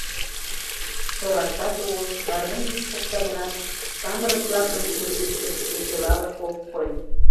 Тораштат огыл гармонь йӱк шокта гынат, самырык-влакын чурийыштышт веселалык ок кой.